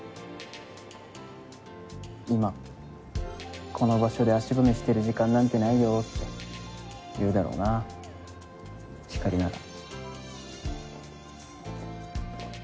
今この場所で足踏みしてる時間なんてないよって言うだろうなひかりなら。